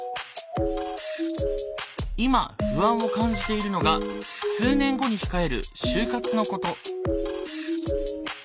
今不安を感じているのが数年後に控える就活のこと。